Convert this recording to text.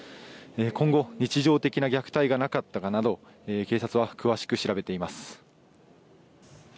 今後、日常的な虐待がなかったかなど警察は詳しく調べています。